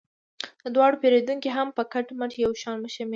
د دواړو پیرودونکي هم په کټ مټ یو شان شمیر دي.